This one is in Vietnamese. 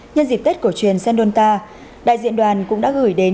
nhân dịp tết cổ truyền sơn đôn ta đại diện đoàn cũng đã gửi đến